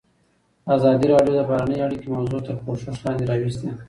ازادي راډیو د بهرنۍ اړیکې موضوع تر پوښښ لاندې راوستې.